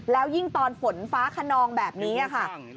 แล้วยิ่งตอนฝนฟ้าขนองแบบนี้ค่ะ